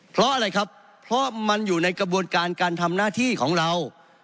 เพราะอะไรครับเพราะมันอยู่ในกระบวนการการทำหน้าที่ของเรา